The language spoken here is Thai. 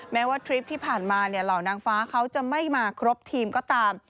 แม้ว่าทริปที่ผ่านมาเหล่านางฟ้าเขาจะไม่มาครบทีมก็ตาม